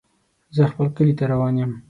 زه خپل کلي ته روان يم.